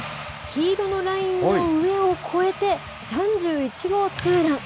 黄色のラインの上を越えて、３１号ツーラン。